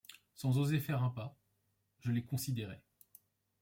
Sans oser faire un pas, je les considérais